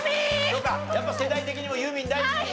そうかやっぱ世代的にもユーミン大好きで。